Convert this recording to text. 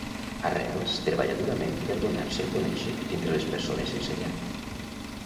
Arrels treballa durament per donar-se a conèixer entre les persones sense llar